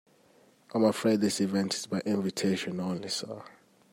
I'm afraid this event is by invitation only, sir.